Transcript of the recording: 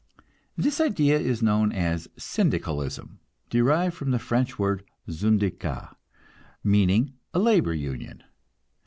This idea is known as Syndicalism, derived from the French word "syndicat," meaning a labor union.